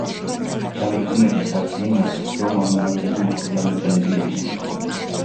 და მითუმეტეს არც იმას, რომ ანუნაკები უცხოპლანეტელები იყვნენ.